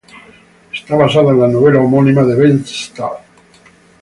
Está basada en la novela homónima de Ben Stahl.